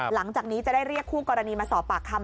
หลังจากนี้จะได้เรียกคู่กรณีมาสอบปากคำ